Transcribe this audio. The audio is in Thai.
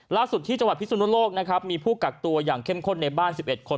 ล่าสุดที่จังหวัดพิสุนโลกนะครับมีผู้กักตัวอย่างเข้มข้นในบ้าน๑๑คน